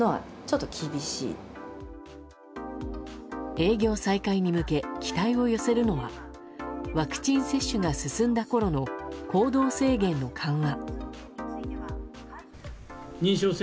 営業再開に向け期待を寄せるのはワクチン接種が進んだころの行動制限の緩和。